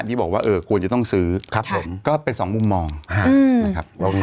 ที่บอกว่าเออควรจะต้องซื้อครับผมก็เป็นสองมุมมองนะครับ